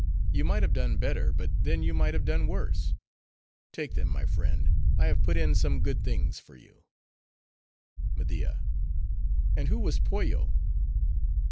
You might have done better; but then you might have done worse. Take them, my friend; I have put in some good things for you:" MEDIA—And who was Pollo?